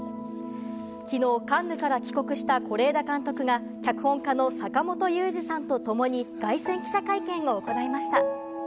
きのうカンヌから帰国した是枝監督が、脚本家の坂元裕二さんと共に凱旋記者会見を行いました。